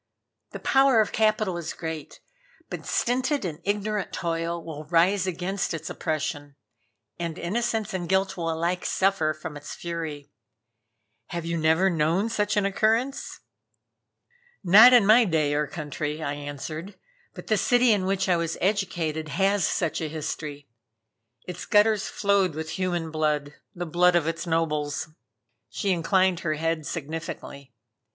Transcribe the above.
The power of capital is great, but stinted and ignorant toil will rise against its oppression, and innocence and guilt will alike suffer from its fury. Have you never known such an occurrence?" "Not in my day or country," I answered "But the city in which I was educated has such a history. Its gutters flowed with human blood, the blood of its nobles." She inclined her head significantly.